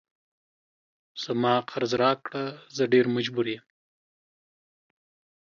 زما قرض راکړه زه ډیر مجبور یم